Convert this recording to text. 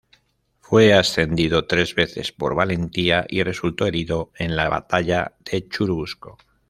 Fue ascendido tres veces por valentía y resultó herido en la batalla de Churubusco.